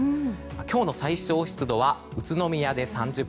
今日の最小湿度は宇都宮で３０％